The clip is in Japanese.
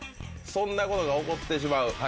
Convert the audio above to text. そんなことが起こってしまう。